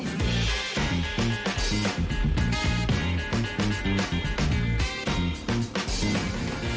โอเค